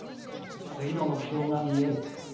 次の目標が見える。